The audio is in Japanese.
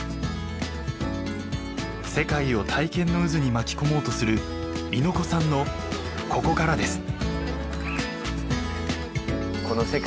世界を体験の渦に巻き込もうとする猪子さんのここからです。